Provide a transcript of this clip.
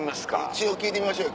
一応聞いてみましょうよ。